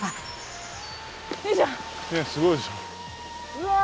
うわ！